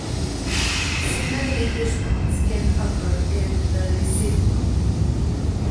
Signal leakage paths can occur in the receiver.